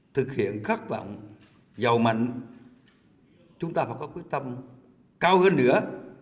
thực hiện khát vọng giàu mạnh chúng ta phải có quyết tâm cao hơn nữa